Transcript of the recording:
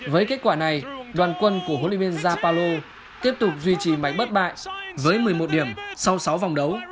với kết quả này đoàn quân của huấn luyện viên zabalo tiếp tục duy trì máy bất bại với một mươi một điểm sau sáu vòng đấu